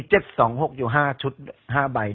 ขอบคุณทุกคน